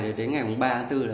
đến ngày ba bốn